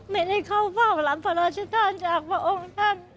ไม่ได้เข้าเฝ้าหลังพระราชทานจากพระองค์ท่าน